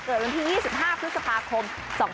เกิดวันที่๒๕พฤษภาคม๒๕๓๕